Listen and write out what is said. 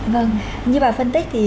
vâng như bà phân tích thì